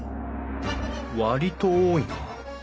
割と多いな。